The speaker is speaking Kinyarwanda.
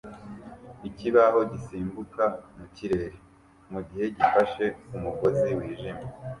Ikibaho gisimbuka mu kirere mu gihe gifashe ku mugozi wijimye